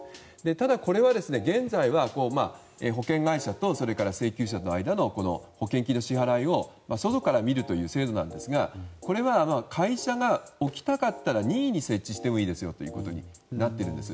ただ、これは現在は保険会社と請求者との間の保険金の支払いを外から見るという制度なんですがこれは会社が置きたかったら任意に設置してもいいですよとなっています。